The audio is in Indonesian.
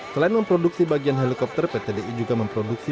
selain memproduksi bagian helikopter pt di juga memproduksi